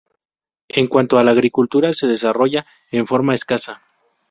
En cuanto a la agricultura, se desarrolla en forma escasa.